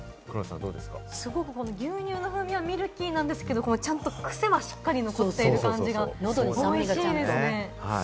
すごくこの牛乳の風味はミルキーなんですけれども、ちゃんと癖はしっかり残っている感じがおいしいですね。